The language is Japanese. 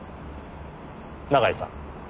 永井さん。